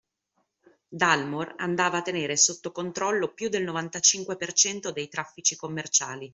Dalmor andava a tenere sotto controllo più del novantacinque percento dei traffici commerciali